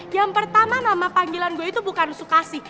yang pertama nama panggilan gue itu bukan sukasi